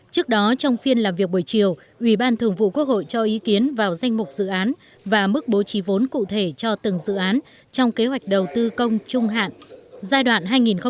trước đó trong phiên làm việc buổi chiều ủy ban thường vụ quốc hội cho ý kiến vào danh mục dự án và mức bố trí vốn cụ thể cho từng dự án trong kế hoạch đầu tư công trung hạn giai đoạn hai nghìn một mươi sáu hai nghìn hai mươi